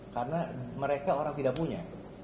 karena mereka orang tidak punya